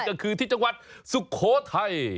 ก็คือที่จังหวัดสุโขทัย